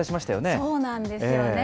そうなんですよね。